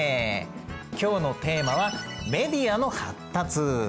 今日のテーマは「メディアの発達」。